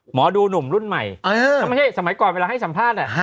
หมอดูหนุ่มรุ่นใหม่ถ้าไม่ใช่สมัยก่อนเวลาให้สัมภาษณ์